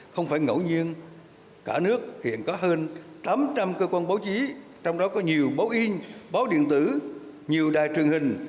không phải ngẫu nhiên cả nước hiện có hơn tám trăm linh cơ quan báo chí trong đó có nhiều báo in báo điện tử nhiều đài truyền hình